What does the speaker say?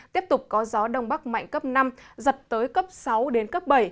tiếp tục có gió đông bắc mạnh cấp năm giật tới cấp sáu đến cấp bảy